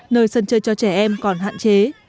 nơi sân chơi cho trẻ em còn hạn chế